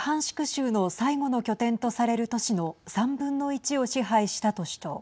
州の最後の拠点とされる都市の３分の１を支配したと主張。